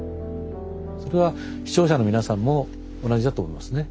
それは視聴者の皆さんも同じだと思いますね。